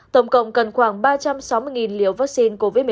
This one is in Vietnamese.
tổng cộng cần khoảng ba trăm sáu mươi liều vaccine covid một mươi chín